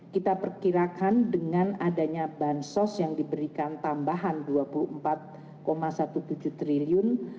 kita perkirakan dengan adanya bansos yang diberikan tambahan rp dua puluh empat tujuh belas triliun